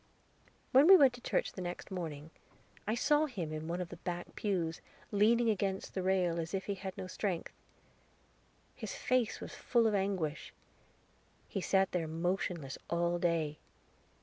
When we went to church the next morning, I saw him in one of the back pews, leaning against the rail, as if he had no strength. His face was full of anguish. He sat there motionless all day.